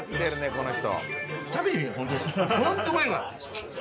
この人！